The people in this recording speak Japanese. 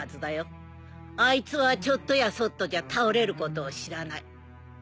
あいつはちょっとやそっとじゃ倒れることを知らない。